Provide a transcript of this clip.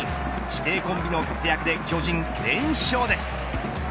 師弟コンビの活躍で巨人連勝です。